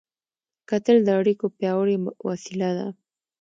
کتل د اړیکو پیاوړې وسیله ده